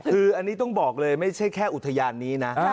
คืออันนี้ต้องบอกเลยไม่ใช่แค่อุทยานนี้นะ